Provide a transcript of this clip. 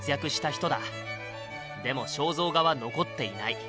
でも肖像画は残っていない。